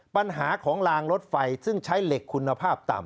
ปัญหาของลางรถไฟซึ่งใช้เหล็กคุณภาพต่ำ